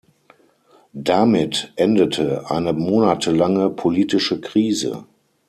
Damit endete eine monatelange politische Krise.